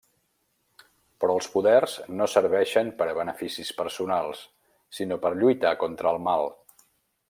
Però els poders no serveixen per a beneficis personals, sinó per lluitar contra el mal.